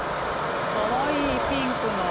かわいいピンクの。